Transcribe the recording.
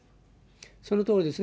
そのとおりですね。